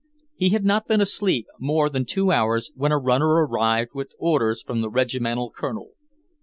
He had not been asleep more than two hours, when a runner arrived with orders from the Regimental Colonel.